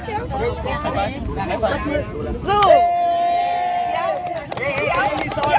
คืออะไรครับสมอง